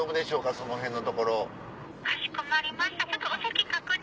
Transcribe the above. そのへんのところ。